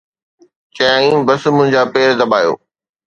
چيائين، ”بس منهنجا پير دٻايو.